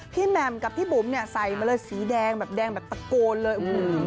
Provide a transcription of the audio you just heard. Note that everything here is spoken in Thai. พี่แมมกับพี่บุ๋มใส่มาเลยสีแดงแบบตะโกนเลย